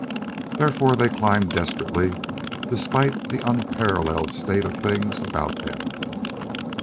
Therefore they climbed desperately despite the unparalleled state of things about them.